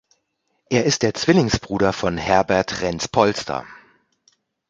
Er ist der Zwillingsbruder von Herbert Renz-Polster.